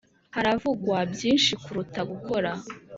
haravugwa byinshi kuruta gukora